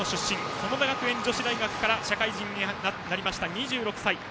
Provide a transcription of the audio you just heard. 園田学園女子大学から社会人になりました、２６歳。